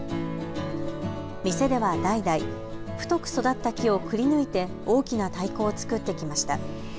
店では代々、太く育った木をくりぬいて大きな太鼓を作ってきました。